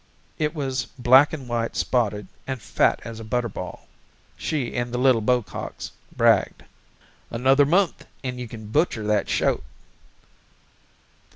It was black and white spotted and fat as a butterball, she and the little Bococks bragged. "Another month and you can butcher that shoat."